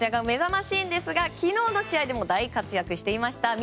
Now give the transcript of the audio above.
目覚ましいですが昨日の試合でも大活躍していました。